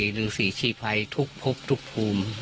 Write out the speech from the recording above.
เหลือพระเถรเนรชีรุศิชีภัยทุกภพทุกภูมิ